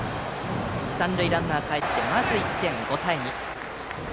三塁ランナーがかえってまず１点、５対２。